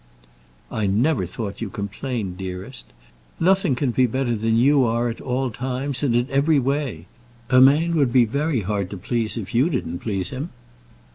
"I never thought you complained, dearest. Nothing can be better than you are at all times and in every way. A man would be very hard to please if you didn't please him."